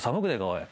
おい。